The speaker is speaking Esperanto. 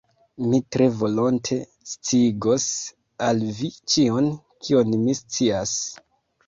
Mi tre volonte sciigos al vi ĉion, kion mi scias.